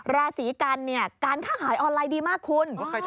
ราศีกัลการข้าวขายทางออนไลน์ดีมากคุณ